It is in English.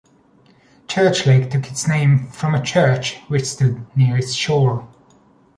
Church Lake took its name from a church which stood near its shore.